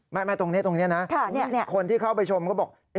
ไม่ตรงนี้นะคนที่เข้าไปชมก็บอก